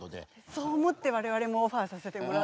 そう思って我々もオファーさせてもらった。